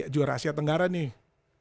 juara asia tenggara nih